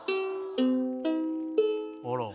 あら。